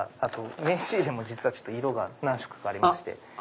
名刺入れも実は色が何色かありまして。